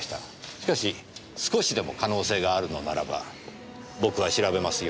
しかし少しでも可能性があるのならば僕は調べますよ。